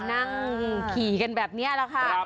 นั่งขี่กันแบบนี้แหละค่ะ